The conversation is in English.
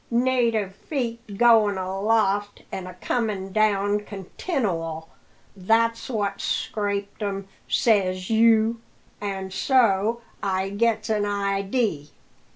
Native feet goin' aloft and a comin' down continual, that's what's scraped 'em, says you; an' so I gets an idee.